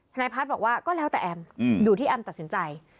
นายพัฒน์บอกว่าก็แล้วแต่แอมอยู่ที่แอมตัดสินใจ